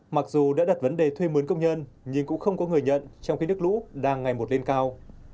mặc dù đã đặt vấn đề thuê mướn công nhân nhưng cũng không có người nhận trong khi nước lũ đang ngày một lên cao